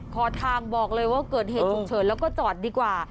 ขอทางบอกเลยว่าเกิดเหตุฉุกเฉินแล้วก็จอดดีกว่า